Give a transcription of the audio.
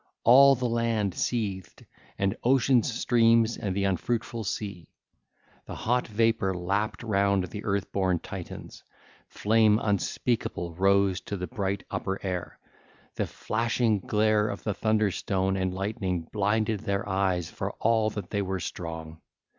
All the land seethed, and Ocean's streams and the unfruitful sea. The hot vapour lapped round the earthborn Titans: flame unspeakable rose to the bright upper air: the flashing glare of the thunder stone and lightning blinded their eyes for all that there were strong.